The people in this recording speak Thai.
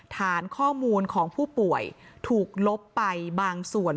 ฐานข้อมูลของผู้ป่วยถูกลบไปบางส่วน